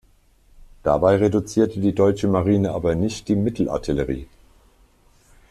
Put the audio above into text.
Dabei reduzierte die deutsche Marine aber nicht die Mittelartillerie.